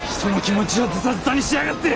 人の気持ちをずたずたにしやがって！